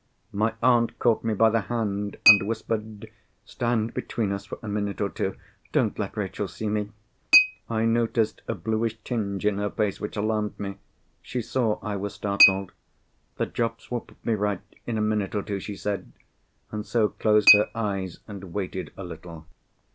My aunt caught me by the hand, and whispered, "Stand between us for a minute or two. Don't let Rachel see me." I noticed a bluish tinge in her face which alarmed me. She saw I was startled. "The drops will put me right in a minute or two," she said, and so closed her eyes, and waited a little.